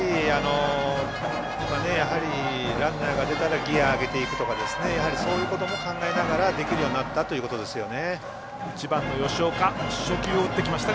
やはり、ランナーが出たらギヤ上げていくとかそういうことも考えながらできるようになったということですよね。